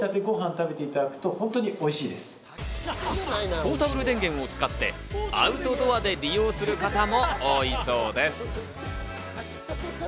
ポータブル電源を使ってアウトドアで利用する方も多いそうです。